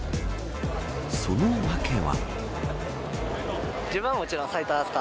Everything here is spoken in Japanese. その訳は。